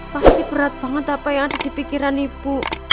pasti berat banget apa yang ada di pikiran ibu